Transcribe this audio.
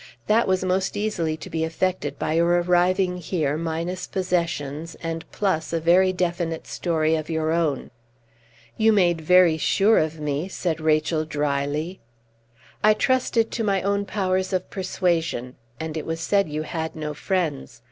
That was most easily to be effected by your arriving here minus possessions, and plus a very definite story of your own." "You made very sure of me!" said Rachel, dryly. "I trusted to my own powers of persuasion, and it was said you had no friends.